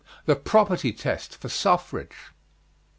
THE PROPERTY TEST FOR SUFFRAGE.